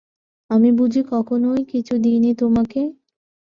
আমি বুঝি কখনও কিছু দিইনি তোমাকে?